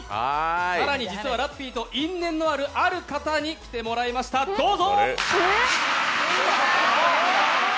更にラッピーと因縁のあるある方に来てもらいました、どうぞ。